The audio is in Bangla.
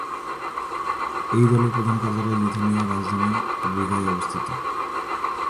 এই দলের প্রধান কার্যালয় লিথুয়ানিয়ার রাজধানী রিগায় অবস্থিত।